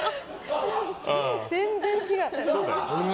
全然違う。